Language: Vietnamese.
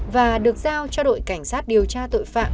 và được giao cho đội cảnh sát điều tra tội phạm